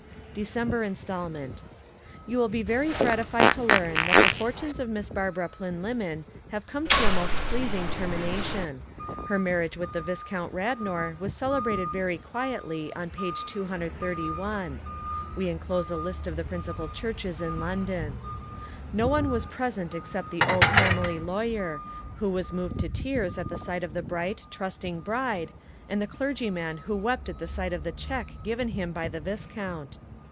DECEMBER INSTALMENT You will be very gratified to learn that the fortunes of Miss Barbara Plynlimmon have come to a most pleasing termination. Her marriage with the Viscount Radnor was celebrated very quietly on page 231. (We enclose a list of the principal churches in London.) No one was present except the old family lawyer, who was moved to tears at the sight of the bright, trusting bride, and the clergyman who wept at the sight of the cheque given him by the Viscount.